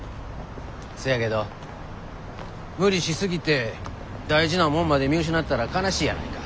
そやけど無理しすぎて大事なもんまで見失ったら悲しいやないか。